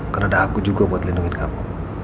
karena ada aku juga buat lindungin kamu